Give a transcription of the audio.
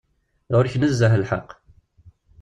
Ɣur-k nezzeh lḥeqq.